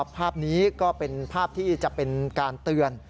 ภาพนี้ก็เป็นภาพที่จะเป็นการเตือน